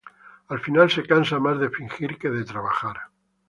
Al final se cansa más de fingir que de trabajar.